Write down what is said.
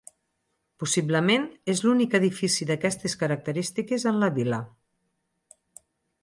Possiblement és l'únic edifici d'aquestes característiques en la vila.